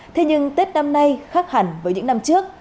thế nhưng tết năm nay khác hẳn với những năm trước